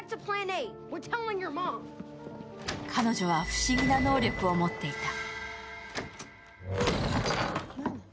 彼女は不思議な能力を持っていた。